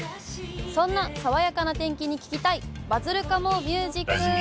そんな爽やかな天気に聞きたいバズるかもミュージック。